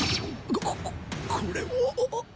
ここれは。